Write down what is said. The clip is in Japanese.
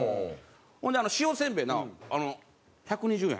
「ほんで塩せんべいな１２０円。